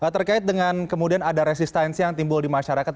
terkait dengan kemudian ada resistensi yang timbul di masyarakat